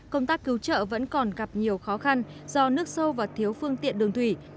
công tác cứu trợ vẫn còn gặp nhiều khó khăn do nước sâu và thiếu phương tiện đường thủy